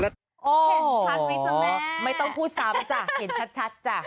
เห็นชัดไหมจำแม่ไม่ต้องพูดซ้ำจ้ะเห็นชัดชัดจ้ะ